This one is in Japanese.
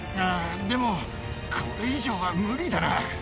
あぁでもこれ以上は無理だな。